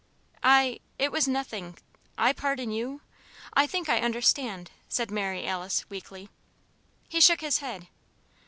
"I it was nothing I pardon you I think I understand," said Mary Alice, weakly. He shook his head.